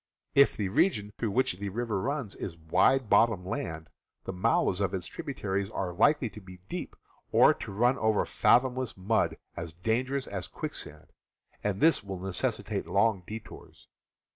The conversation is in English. If the region through which the river runs is wide bottom land, the mouths of its tribu taries are likely to be deep, or to run over fathomless mud as dangerous as quicksand, and this will neces sitate long detours.